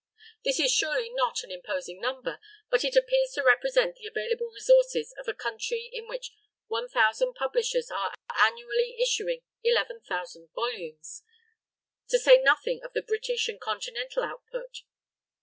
This is surely not an imposing number, but it appears to represent the available resources of a country in which 1,000 publishers are annually issuing 11,000 volumes to say nothing of the British and Continental output.